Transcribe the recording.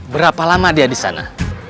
berapa lama dia disana